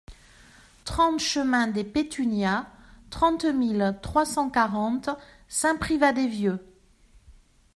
trente chemin des Pétunias, trente mille trois cent quarante Saint-Privat-des-Vieux